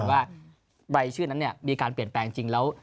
ว่ารายชื่อนั้นมีการเปลี่ยนแปลงจริงแล้ว